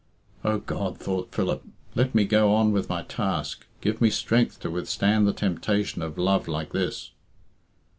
"O God," thought Philip, "let me go on with my task. Give me strength to withstand the temptation of love like this."